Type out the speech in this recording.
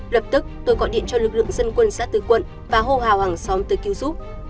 lập tức tôi gọi điện cho lực lượng dân quân xã tư quận và hô hào hàng xóm tới cứu giúp